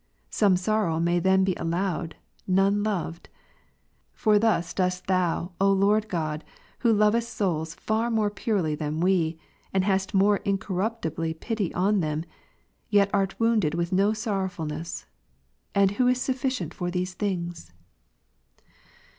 Some sorrow may then be al lowed, none loved. For thus dost Thou, O Lord God, who lovest soids far more purely than we, and hast more incoi' ruptibly pity on them, yet art wounded with no sorrowful ness. And ivho is sufficient for these things